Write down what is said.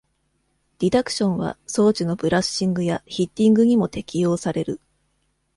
ディダクションは装置のブラッシングやヒッティングにも適用される。